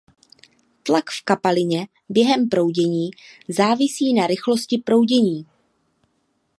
Tlak v kapalině během proudění závisí na "rychlosti" proudění.